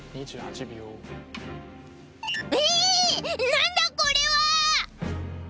何だこれは！